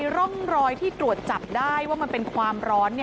ร่องรอยที่ตรวจจับได้ว่ามันเป็นความร้อน